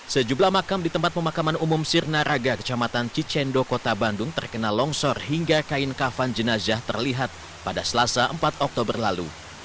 sejumlah makam di tempat pemakaman umum sirna raga kecamatan cicendo kota bandung terkena longsor hingga kain kafan jenazah terlihat pada selasa empat oktober lalu